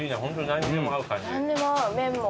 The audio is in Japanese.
何でも合う麺も。